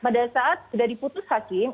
pada saat sudah diputus hakim